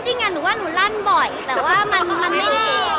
จริงอ่ะหนูว่าหนูรั่นบ่อยแต่ว่ามันไม่ได้